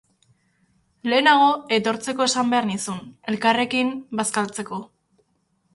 Lehenago etortzeko esan behar nizun, elkarrekin bazkaltzeko.